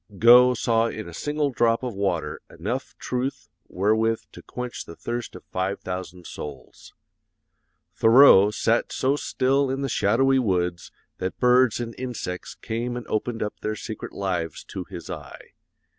Gough saw in a single drop of water enough truth wherewith to quench the thirst of five thousand souls. Thoreau sat so still in the shadowy woods that birds and insects came and opened up their secret lives to his eye.